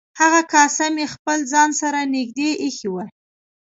هغه کاسه مې خپل ځان سره نږدې ایښې وه.